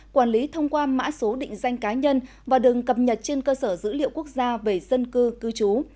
quản lý thông qua mã số định danh cá nhân và đừng cập nhật trên cơ sở dữ liệu quốc gia về dân cư cư trú